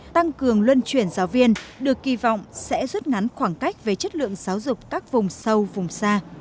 tăng cường luân chuyển giáo viên được kỳ vọng sẽ rút ngắn khoảng cách về chất lượng giáo dục các vùng sâu vùng xa